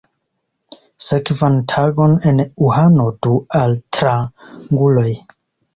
Sekvan tagon en Uhano du altranguloj.